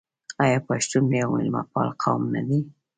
آیا پښتون یو میلمه پال قوم نه دی؟